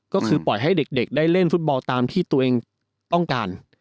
ก็คือปล่อยให้เด็กได้เล่นฟุตบอลตามที่ตัวเองต้องการ